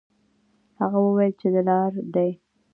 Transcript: هغه وویل چې دلار دي.